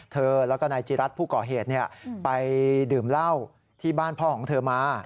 เธอแล้วก็นายจิรัตน์ผู้ก่อเหตุไปดื่มเหล้าที่บ้านพ่อของเธอมา